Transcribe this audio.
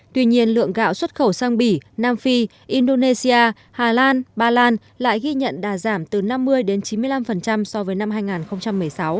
tuy nhiên lượng gạo xuất khẩu sang bỉ nam phi indonesia hà lan ba lan lại ghi nhận đà giảm từ năm mươi đến chín mươi năm so với năm hai nghìn một mươi sáu